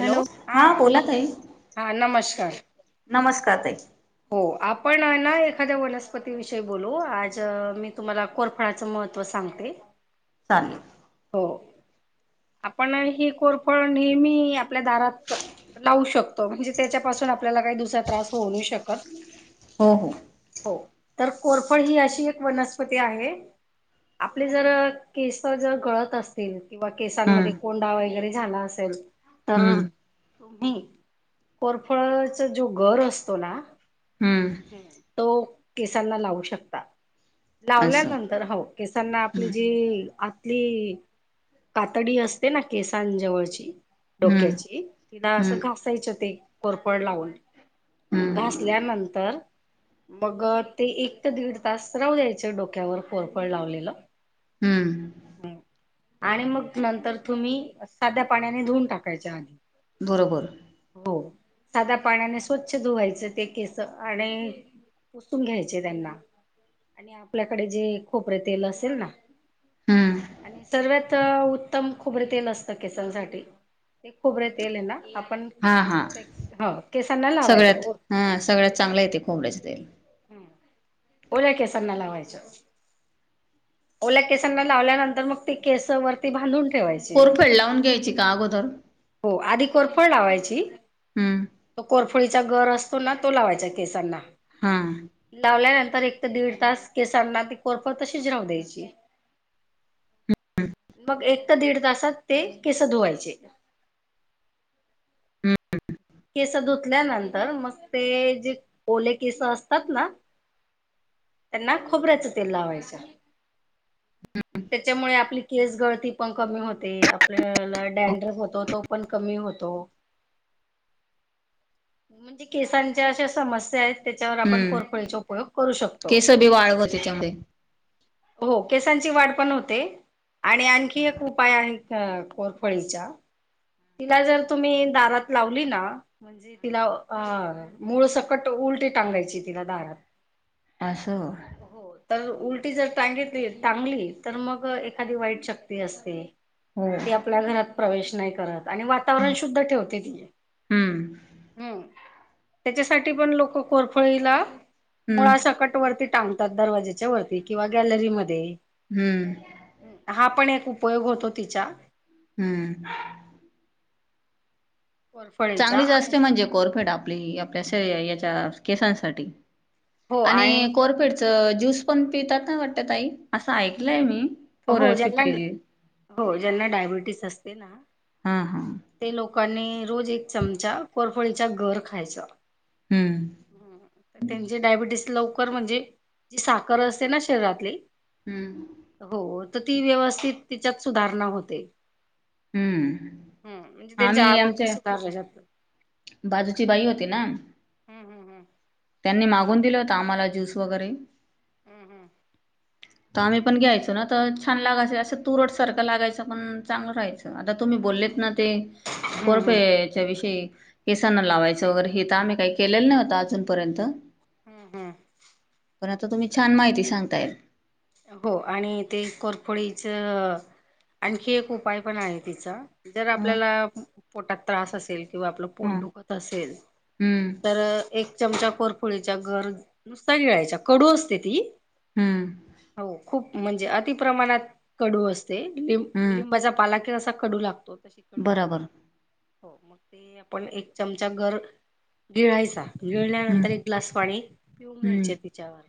Hello हा बोला ताई, हा नमस्कार नमस्कार ताई. हो आपण हे ना एखाद्या वनस्पती विषयी बोलू आज मी तुम्हाला कोरप फळाचं महत्त्व सांगते. चालेल. हो आपण ही कोरफड नेहमी आ आपल्या दारात लावू शकतो म्हणजे त्याच्यापासून आपल्याला काही दुसरा त्रास होऊ नाई शक. कर हो हो हो तर कोरफड ही एक अशी वनस्पती आहे. आपले जर केस जर गळत असतील किंवा हम्म केसांमध्ये कोंडा वगैरे झाला असेल. तर हम्म तुम्ही कोरफडचा जो गर असतो ना. हम्म तो केसांना लावू शकता. असं लावल्यानंतर हो केसांना आपली हम्म जी आत ली कातडी असते ना केसांन जवळची हम्म डोक्याची तिला असं हम्म घासायचं ते कोरपड लावून हम्म घासल्यानंतर. मग ते एक ते दीड तास राहू दयायचं डोक्यावर कोरफड लावलेलं हम्म. आणि मग नंतर तुम्ही साध्या पाण्याने धुऊन टाकायच आधी. बरोबर. हो साध्या पाण्याने स्वच्छ धुवायचं ते केस आणि पुसून घ्यायचे त्यांना आणि आपल्याकडे जे खोबरेलतेल असेल ना हम्म आणि सर्व्यात उत्तम खोबरे तेल असतं केसांसाठी. ते खोबरे तेल हे ना आपण हा हा हां केसांना लावायचे. सगळ्यात हा सगळ्यात चांगलाय ते खोबऱ्याचे तेल. हम्म ओल्या केसांना लावायच. ओल्या केसांना लावल्यानंतर मग ती केस वरती बांधून ठेवायचं. कोरफड लावून घ्यायची का अगोदर? हो आधी कोरफड लावायची हम्म तो कोरफडीचा गर असतो ना तो लावायचा केसांना. हम्म. लावल्यानंतर एक ती दीड तास केसांना ती कोरफड तशिच राहु द्यायची. मग एक ते दीड तासात ते केस धुवायचे. केस धुतल्यानंतर मग ते जे ओले केस असतात ना, त्यांना खोबऱ्याचं तेल लावायचं. [unintelligible] त्याच्यामुळे आपली केस गळती पण कमी होते. आपल्याला डँड्रफ होतो, तो पण कमी होतो. म्हणजे केसांच्या अशा समस्या आहेत त्याच्यावर आपण हम्म कोरफळीचा उपयोग करू शकतो. केस बी वाळव त्याच्यामध्ये हो, केसांची वाढ पण होते आणि आणखी एक उप उपाय आहेत कोरफळीच्या तिला जर तुम्ही दारात लावली ना म्हणजे तिला अ मूळसकट उलटी टांगायची, तिला दारात. असं, होय. हो, तर उलटी जर टांगेतली टांगली, तर मग एखादी वाईट शक्ती असते. होयं. ती आपल्या घरात प्रवेश नाही करत. आणि वातावरण शुद्ध ठेवते ती, हम्म हम्. त्याच्यासाठी पण लोक कोरफळीला हम्म मुळासकटवरती टांगतात दरवाज्याच्या वरती किंवा गॅलरीमध्ये. हम्म. हा, पण एक उपयोग होतो तिचा. हम्म. कोरफळीचा चांगलीचं आणि असते म्हणजे कोरफड, आपली आपल्या याच्या केसांसाठी. आणि कोरफडच ज्यूस पण पितात ना, वाटतं. आई, असं ऐकलंय मी. फोर हो फिफ्टी जी. ज्यांना-हो ज्यांना, डायबिटीस असते ना. हा-हा. ते लोकांनी रोज एक चमचा कोरफळीचा घर खायचा. हम्म. त्यांचे डायबिटीस लवकर म्हणजे जी साखर असते ना शरीरातली हम्म. होतर ती व्यवस्थित तिच्यात सुधारणा होते. हम्म हम, म्हणजे त्यांचं आम्ही आरोग्य आमच्या सुधारलं जात. बाजूची बाई होती ना हम्म हम्म त्यांनी मागून दिलं होतं आम्हाला ज्यूस वगैरे हम्म-हम्म, तर आम्ही पण घ्यायचो ना, तर छान लागायचं, असं तुरटसारखं लागायचं, पण चांगलं राहायचं. आता तुम्ही बोललेत ना ते हम्म हम्म हम्म कोरफडच्या विषयी केसांना लावायचं वगैरे हे तर आम्ही काही केलेलं नाही अजून. पर्यंत. हम्-हम्. पर आता तुम्ही छान माहिती सांगता येत. हो, आणि ते कोरफडीच आणखी एक उपाय पण आहे तिचा. जर हं आपल्याला पोटात त्रास असेल किंवा आपलं पोट हं दुखत असेल हम्म तर एक चमचा कोरफुळीच्या गर नुसता गिळायच्या. कडू असते ती. हम्म. हो, खूप म्हणजे अति प्रमाणात कडू असते. लि हम्म लिंबाचा पाला कसा कडू लागतो. तो तशी कडू बराबर लागते. हो, मग ते आपण एक चमचा गर गिळायचा. हम्म गिळल्यानंतर एक ग्लास पाणी पिऊन हम्म घ्यायचे तिच्यावर,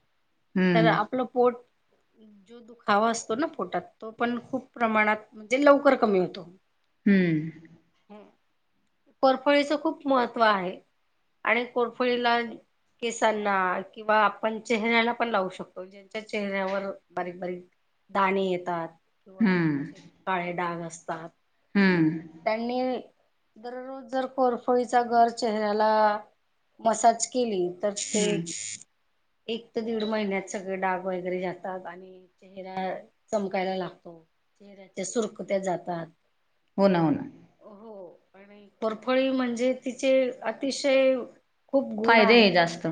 तर हम्म आपलं पोट जो दुखावा असतो ना पोटात, तो पण खूप प्रमाणात म्हणजे लवकर कमी होतो. हम्म. कोरफळीच खूप महत्त्व आहे, आणि कोरफळीला केसांना किंवा आपण चेहऱ्याला पण लावू शकतो. चेहऱ्यावर बारीक, बारीक दाणे येतात. किंवा हम्म असे काळे डाग असतात. हम्म. त्यांनी दररोज जर कोरफळीचा घर चेहऱ्याला मसाज केली तर ते हम्म एक ते दीड महिन्यात सगळे डाग वगैरे जाततात. आणि चेहरा चमकायला लागतो. चेहऱ्याच्या सुरखुत्या जातात. हो ना. हो ना. हो आणि परफळी म्हणजे, तिचे अतिशय खूप गुण फायदे आहे. जास्त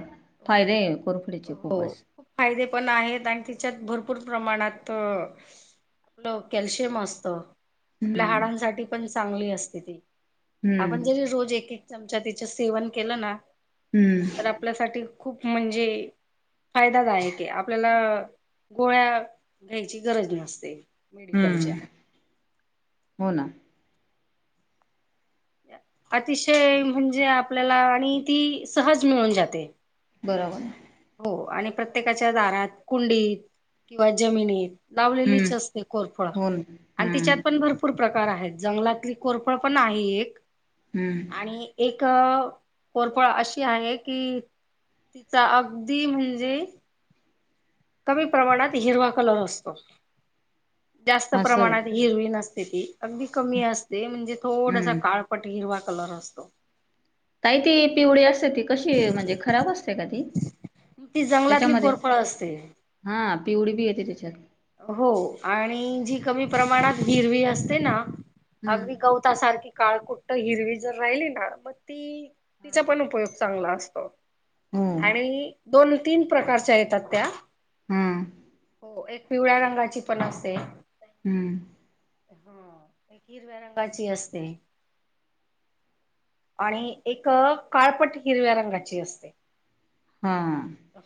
फायदे आहे कोरफडीचे हो. खूपच फायदे पण आहेत. आणि त्यािच्यात भरपूर प्रमाणात लो कॅल्शियम असतो. आपल्या हम्म हाडांसाठी पण चांगली असते ती. आपण हम्म जरी रोज एक एक चमचा तिचं सेवन केलं ना. हम्म. तर आपल्यासाठी खूप म्हणजे, फायदायक आहे. आपल्याला गोळ्या घ्यायची गरज नसते. मेडिकलच्या हम्म हो ना. अतिशय म्हणजे, आपल्याला आणि ती सहज मिळून जाते. बरोबर. हो आणि प्रत्येकाच्या दारात, कुंडीत किंवा जमिनीत लावलेलीच हम्म असते कोरफळ. हो ना आणि तिच्यात हम्म पण भरपूर रपूर प्रकार आहेत. जंगलातली कोरफळ पण आहे एक हम्म. आणि एक कोरफळ अशी आहे की, तिचा अ अगदी म्हणजे, कमी प्रमाणात हिरवा कलर असतो. जास्त असं प्रमाणात हिरवी नसते. किती अगदी कमी असते म्हणजे, थोडासा हम्म काळपट हिरवा कलर असतो. ताई ती पिवडी असते ती कशी, म्हणजे खराब असते का? ती ती जंगलातली त्याच्यामध्ये कोरफळ असते. हा पिवडी बी येते त्याच्यात. हो, आणि जी कमी प्रमाणात हिरवी असते ना, अगदी हम्म. गव ता सारखी काळ कुठ्ट हिरवी जर राहिली ना, मग ती तिचा पण उपयोग चांगला असतो. हम्म आणि दोन, तीन प्रकारच्या येतात त्या. हम्म. हो. एक पिवळ्या रंगाची पण असते. हम्म. हा हिरव्या रंगाची असते. आणि एक काळपट हिरव्या रंगाची असते. हा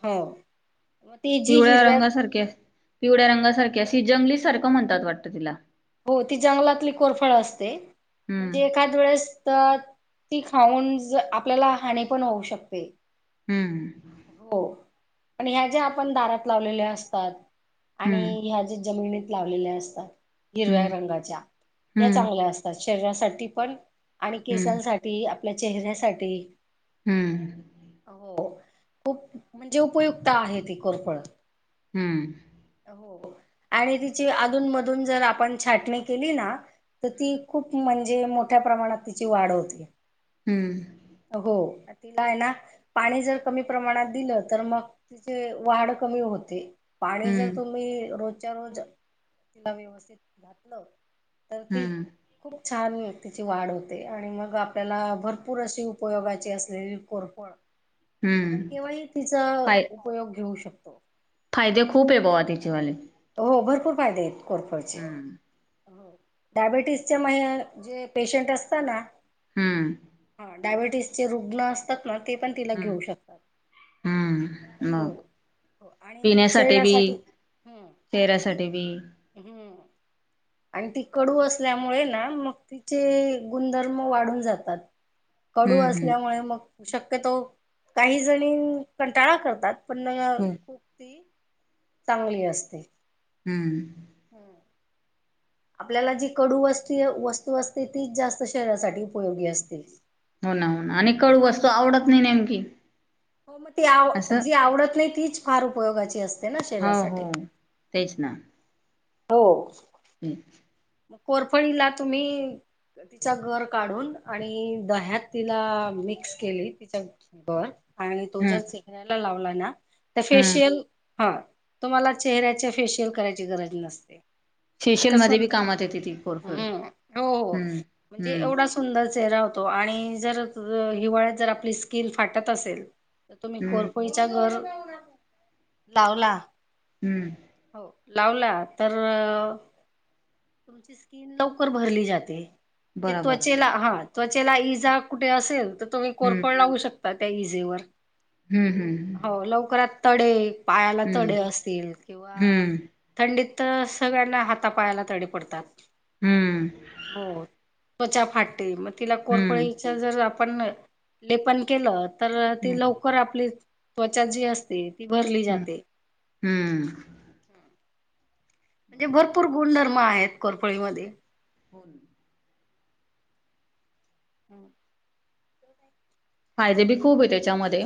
हो मग ते जी हिरव्या पिवड्या रंगासारख्या अशी जंगली सारखं म्हणतात वाटतं तिला हो ती जंगलातली कोरफळ असते हम्म म्हणजे एखाद वेळेस त ती खाऊन आपल्याला हानी पण होऊ शकते. हम्म हो पण ह्या ज्या आपण दारात लावलेल्या असतात आणि हम्म ह्या ज्या जमिनीत लावलेल्या असतात हिरव्या हम्म रंगाच्या या चांगल्या असतात शरीरासाठी पण आणि हम्म केसांसाठी आपल्या चेहऱ्यासाठी हम्म हो खूप म्हणजे उपयुक्त आहे ती कोरफळ हम्म हो आणि तिची अधून मधून जर आपण छाटणी केली ना तर ती खूप म्हणजे मोठ्या प्रमाणात तिची वाढ होती. हम्म हो तिला हाय ना पाणी जर कमी प्रमाणात दिलं तर मग तिचे वाढ कमी होते. पाणी जर हम्म तुम्ही रोजच्या रोज तिला व्यवस्थित घातलं तर ती हम्म खूप छान तिची वाढ होते आणि मग आपल्याला भरपूर अशी उपयोगाची असलेली कोरफड आपण हम्म केव्हाही तिचा फाय उपयोग घेऊ शकतो. फायदे खूप आहे बुवा तिचेवाले हो भरपूर फायदे आहेते कोरफडचे हम्म डायबेटीसच्या मये जे पेशंट असतं ना हम्म हा डायबेटीसचे रुग्ण असतात ना ते पण तिला हम्म घेऊ शकतात. हम्म हो मग हो आणि पिण्यासाठी बी शरीरासाठी हम्म ती चेहऱ्यासाठी बी हम्म आणि ती कडू असल्यामुळे ना मग तिचे गुणधर्म वाढून जातात. कडू हम्म हम्म असल्यामुळे मग शक्यतो काही जणी कंटाळा करतात. पण नय अ हम्म खूप ती चांगली असते. हम्म हम्म आपल्याला जी कडू वस्ती वस्तू असते तीच जास्त शरीरासाठी उपयोगी असते. हो ना हो ना आणि कळू असतो आवडत नाही नेमकी हो म ती आव असं जी आवडत नाही तीच फार उपयोगाची असते. ना हा हो शरीरासाठी. तेच ना हो हं मग कोरफळीला तुम्ही तिचा गर काढून आणि दह्यात तिला मिक्स केली तिच्या बर आणि तो हम्म जर शेकरायला लावला ना तर हम्म फेशियल हा, तुम्हाला चेहऱ्याच्या फेशियल करायची गरज नसते. फेशियल इतकं मध्ये बी सुंदर कामात येते ती कोडफड हम्म हो हो. हम्म, म्हणजे हम्म एवढा सुंदर चेहरा होतो आणि जर हिवाळ्यात जर आपली स्किन फाटत असेल तर तुम्ही हम्म कोरफोडीचा गर लावला. हम्म हो लावला तर तुमची स्किन लवकर भरली जाते, जे बरोबर त्वचेला आहात. त्वचेला इजा कुठे असेल, तर तुम्ही हम्म कोरफड लावू शकता त्या इजेवर हम्म हो लवकरात तडे पायाला हम्म तडे असतील किंवा हम्म थंडीतं सगळ्यांना हातापायाला तडी पडतातं. हम्म त्वचा फाटते, मग तिला हम्म हम्म कोरपळीच जर आपण लेपन केलं तर हम्म ती लवकर आपली त्वचा जी असते, ती भरली हम्म जाते. हम्म म्हणजे भरपूर गुणधर्म आहेत कोरपळीमध्ये. [unintelligible] हम् फायदे बी खूप आहेत त्येच्यामध्ये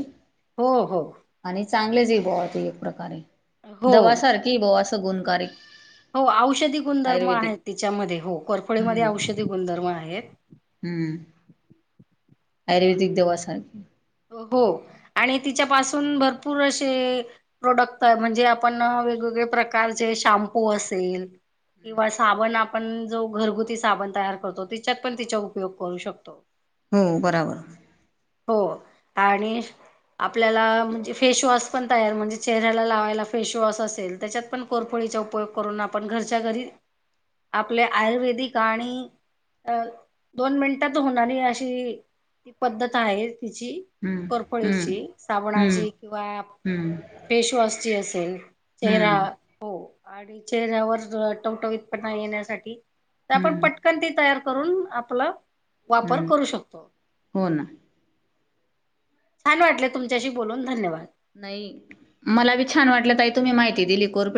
हो हो आणि चांगलेच बवा ते एक प्रकारे, हो दवा सारखी ह बोवा अस गुणकारीक. हो औषधी गुणधर्म आहेत तिच्यामध्ये हो, करफोळीमध्ये हम्म औषधी गुणधर्म आहेत. हम्म, आयुर्वेदिक दवा सारखे हो आणि तिच्यापासून भरपूर अशे प्रोडक्ट म्हणजे आपण वेगवेगळे प्रकारचे शॅम्पू असेल किंवा साबण आप आपण जो घरगुती साबण तयार करतो, तिच्यात पण तिचा उपयोग करू शकतो. हो बराबर हो आणि आपल्याला म्हणजे फेशवॉश पण तयार, म्हणजे चेहऱ्याला लावायला फेशवॉश असेल त्येच्यात पण कोरफळीचा उपयोग करून आपण घरच्या घरी, आपले आयुर्वेदिक आणि अ दोन मिनिटात होणारी अशी ती पद्धत आहे तिची हम्म हम्म कोरफळीची, हम्म साबणाची किंवा हम्म फेशवॉशची असेल चेहरा हम्म हो, आणि चेहऱ्यावर टवटवीतपणा येण्यासाठी तर आपण हम्म पटकन ती तयार करून, आपलं वापर हम्म करू शकतो. हो ना छान वाटले तुमच्याशी बोलून धन्यवाद. नाही, मला बी छान वाटलं ताई तुम्ही माहिती दिली कोरफळ